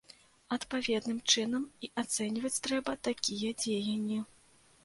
Адпаведным чынам і ацэньваць трэба такія дзеянні.